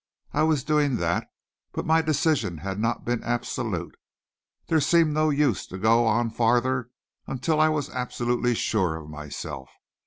I was doing that, but my decision had not been absolute. There seemed no use to go on farther until I was absolutely sure of myself.